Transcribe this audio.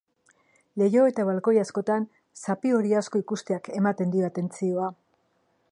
Leiho eta balkoi askotan zapi ori asko ikusteak eman dio atentzioa.